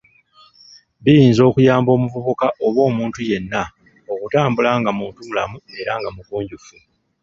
Biyinza okuyamba omuvubuka oba omuntu yenna okutambula nga muntumulamu era nga mugunjufu.